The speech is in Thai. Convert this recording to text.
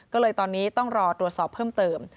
ก็เลยตอนนี้ต้องรอตรวจสอบเพิ่มเติม